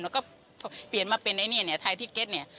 แล้วก็พอเปลี่ยนมาเป็นไอ้เนี่ยไทยที่เก็ตเนี่ย